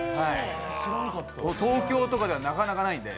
東京とかでは、なかなかないんで。